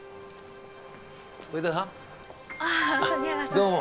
どうも。